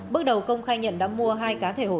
bước đầu công khai nhận đã mua hai cá thể hổ